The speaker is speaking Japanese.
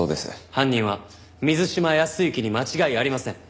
犯人は水島泰之に間違いありません。